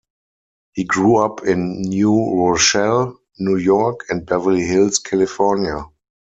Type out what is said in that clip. He grew up in New Rochelle, New York, and Beverly Hills, California.